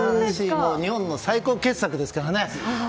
日本の最高傑作ですからね。